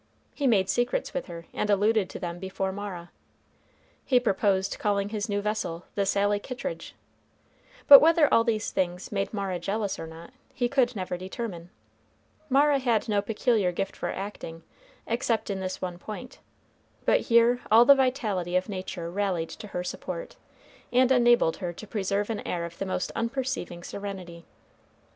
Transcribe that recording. He made secrets with her, and alluded to them before Mara. He proposed calling his new vessel the Sally Kittridge; but whether all these things made Mara jealous or not, he could never determine. Mara had no peculiar gift for acting, except in this one point; but here all the vitality of nature rallied to her support, and enabled her to preserve an air of the most unperceiving serenity.